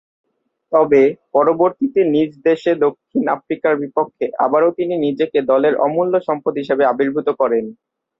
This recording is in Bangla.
তবে, পরবর্তীতে নিজ দেশে দক্ষিণ আফ্রিকার বিপক্ষে আবারও তিনি নিজেকে দলের অমূল্য সম্পদ হিসেবে আবির্ভূত করেন।